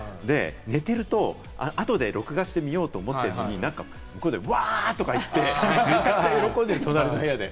寝てると、後で録画して見ようと思ってるのに、向こうで、わ！とか言って、めちゃくちゃ喜んでる、隣の部屋で。